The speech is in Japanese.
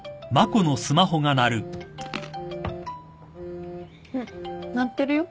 んっ鳴ってるよ。